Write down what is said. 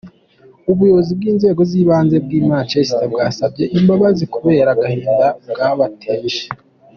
Ubuyobozi bw’inzego z’ibanze bw’i Manchester bwasabye imbabazi kubera agahinda bwamuteje.